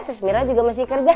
sus mirna juga masih kerja